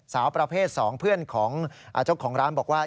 สาวประเภท๒เพื่อนของเจ้าของร้านบอกว่า